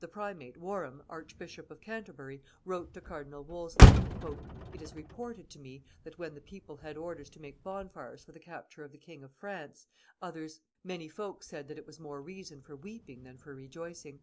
The primate, Warham, Archbishop of Canterbury, wrote to Cardinal Wolsey, "It is reported to me that when the people had orders to make bonfires for the capture of the King of France, many folks said that it was more reason for weeping than for rejoicing.